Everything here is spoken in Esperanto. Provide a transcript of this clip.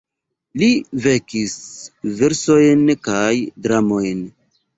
Li vekis versojn kaj dramojn.